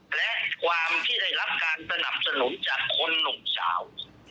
และความที่ได้รับการสนับสนุนจากคนหนุ่มสาว